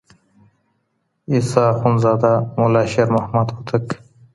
عيسى اخندزاده ملا شېرمحمد هوتک